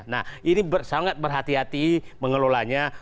nah ini sangat berhati hati mengelolanya